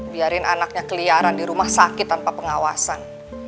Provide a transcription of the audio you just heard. biarin anaknya keliaran di rumah sakit tanpa pengawasan